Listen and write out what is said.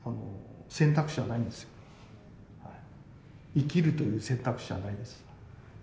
生きるという選択肢はないんです。